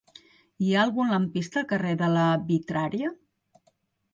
Hi ha algun lampista al carrer de la Vitrària?